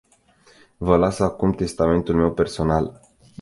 Vă las acum cu testamentul meu personal.